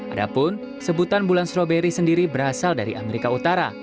adapun sebutan bulan stroberi sendiri berasal dari amerika utara